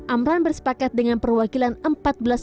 amran bersepakat dengan perwakilan amran